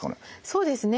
そうですね。